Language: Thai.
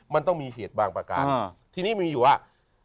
มันต้องมีเหตุบางประการทีนี้มีอยู่ว่า